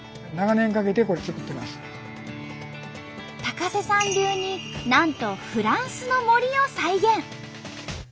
高瀬さん流になんとフランスの森を再現。